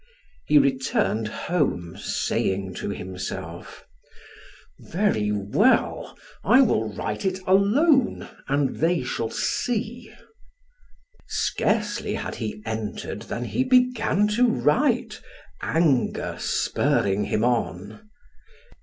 He returned home saying to himself: "Very well, I will write it alone and they shall see." Scarcely had he entered than he began to write, anger spurring him on.